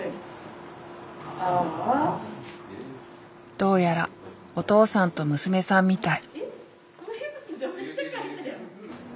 どうやらお父さんと娘さんみたい。